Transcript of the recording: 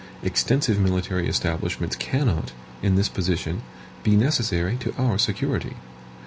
Extensive military establishments cannot, in this position, be necessary to our security.